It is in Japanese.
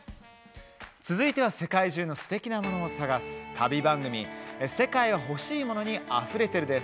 続いては、世界中のすてきなものを探す旅番組「世界はほしいモノにあふれてる」です。